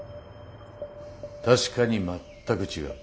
確かに全く違う。